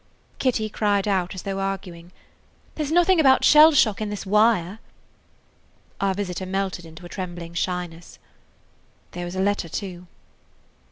Kitty cried out, as though arguing: "There 's nothing about shell shock in this wire." Our visitor melted into a trembling shyness. "There was a letter, too."